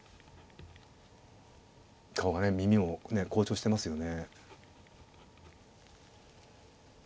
顔がね耳もね紅潮してますよね。